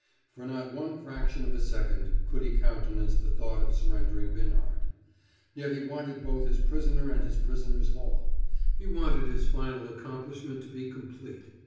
For not one fraction of a second could he countenance the thought of surrendering Binhart. Yet he wanted both his prisoner and his prisoner's haul; he wanted his final accomplishment to be complete.